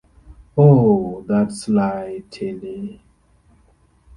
Oh, that sly Tilly!